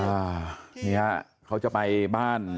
ชาวบ้านในพื้นที่บอกว่าปกติผู้ตายเขาก็อยู่กับสามีแล้วก็ลูกสองคนนะฮะ